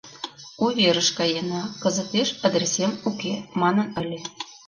У верыш каена, кызытеш адресем уке, — манын ыле.